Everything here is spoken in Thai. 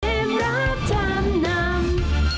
เป็นรับดำนำ